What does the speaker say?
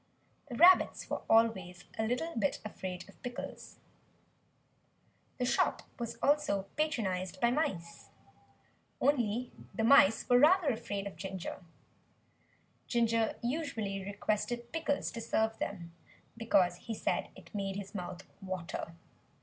The rabbits were always a little bit afraid of Pickles. The shop was also patronized by mice only the mice were rather afraid of Ginger. Ginger usually requested Pickles to serve them, because he said it made his mouth water.